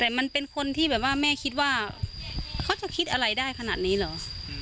แต่มันเป็นคนที่แบบว่าแม่คิดว่าเขาจะคิดอะไรได้ขนาดนี้เหรอ